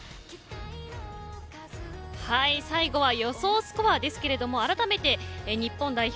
最後は予想スコアですけれどもあらためて日本代表